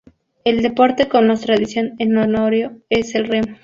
El deporte con más tradición en Orio es el remo.